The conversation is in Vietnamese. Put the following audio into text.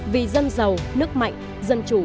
vì dân giàu nước mạnh dân chủ